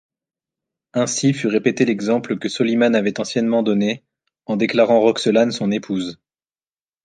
Ainsi fut répété l'exemple que Soliman avait anciennement donné, en déclarant Roxelane son épouse.